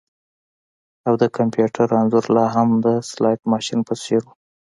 او د کمپیوټر انځور لاهم د سلاټ ماشین په څیر و